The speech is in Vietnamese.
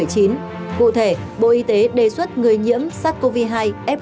cụ thể bộ y tế đề xuất người nhiễm sars cov hai f